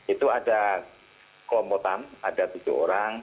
itu ada kelompokan ada tujuh orang